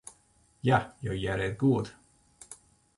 Ja, jo hearre it goed.